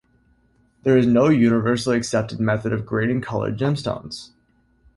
There is no universally accepted method of grading colored gemstones.